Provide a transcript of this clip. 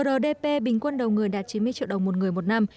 trong thời gian đầu người đạt chín mươi triệu đồng một người một năm